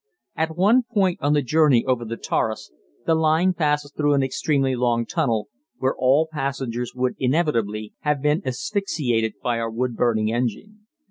At one point on the journey over the Taurus the line passes through an extremely long tunnel, where all passengers would inevitably have been asphyxiated by our wood burning engine.